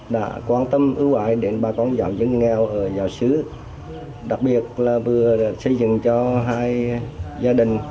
đã quan tâm ưu ái đến bà con giáo dân nghèo ở giáo sứ đặc biệt là vừa xây dựng cho hai gia đình